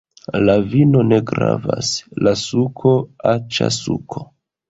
La vino ne gravas! la suko! aĉa suko!